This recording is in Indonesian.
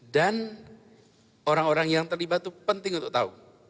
dan orang orang yang terlibat itu penting untuk tahu